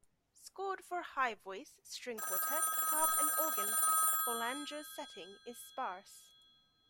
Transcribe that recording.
Scored for high voice, string quartet, harp and organ, Boulanger's setting is sparse.